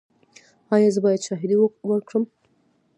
ایا زه باید شاهدي ورکړم؟